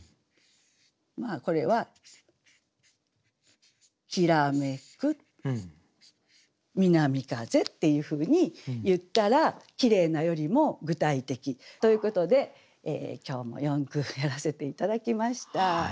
まあこれは「きらめく南風」っていうふうに言ったら「きれいな」よりも具体的ということで今日も４句やらせて頂きました。